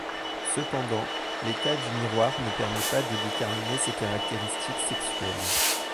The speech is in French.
Cependant, l'état du miroir ne permet même pas de déterminer ses caractéristiques sexuelles.